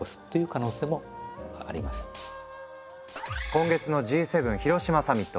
今月のＧ７広島サミット。